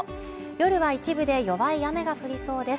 夜は一部で弱い雨が降りそうです。